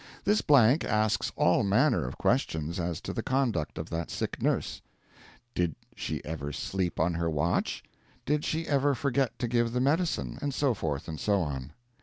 This blank asks all manner of questions as to the conduct of that sick nurse: 'Did she ever sleep on her watch? Did she ever forget to give the medicine?' and so forth and so on.